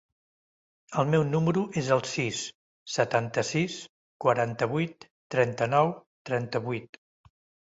El meu número es el sis, setanta-sis, quaranta-vuit, trenta-nou, trenta-vuit.